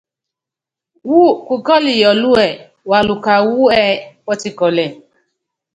Wú kukɔ́lɔ Yɔɔlúɛ́, waluka wú ɛ́ɛ́ Pɔtikɔ́lɛ.